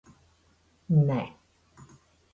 Nē.